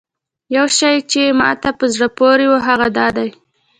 یو شی چې ماته په زړه پورې و هغه دا دی.